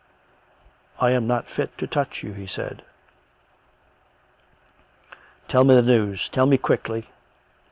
" I am not fit to touch you," he said. " Tell me the news ; tell me quickly."